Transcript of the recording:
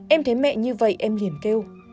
em thấy mẹ như vậy em liền kêu